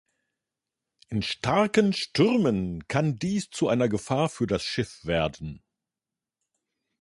In starken Stürmen kann dies zu einer Gefahr für das Schiff werden.